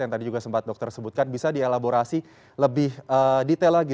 yang tadi juga sempat dokter sebutkan bisa dielaborasi lebih detail lagi